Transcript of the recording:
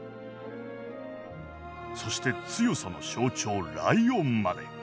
そして強さの象徴ライオンまで。